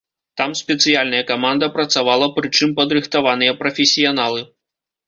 Там спецыяльная каманда працавала, прычым, падрыхтаваныя прафесіяналы.